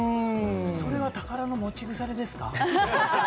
それは宝の持ち腐れですか？